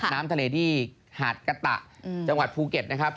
น้ำทะเลที่หาดกะตะจังหวัดภูเก็ตนะครับ